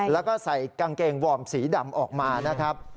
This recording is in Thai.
แล้วก็ใส่กางเกงวอร์มสีดำออกมานะครับ